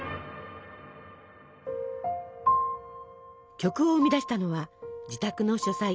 曲を生み出したのは自宅の書斎。